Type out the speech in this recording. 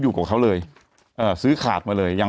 แต่หนูจะเอากับน้องเขามาแต่ว่า